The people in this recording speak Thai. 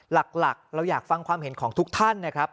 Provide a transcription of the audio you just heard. หลักเราอยากฟังความเห็นของทุกท่านนะครับ